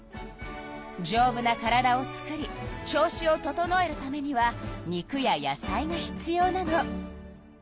じょうぶな体を作り調子を整えるためには肉や野菜が必要なの。